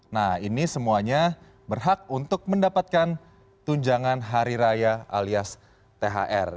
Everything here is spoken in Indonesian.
nah ini semuanya berhak untuk mendapatkan tunjangan hari raya alias thr